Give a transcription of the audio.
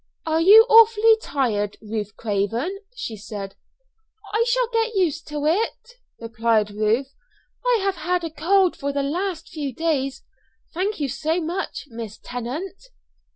"Are you awfully tired, Ruth Craven?" she said. "I shall get used to it," replied Ruth. "I have had a cold for the last few days. Thank you so much, Miss Tennant!"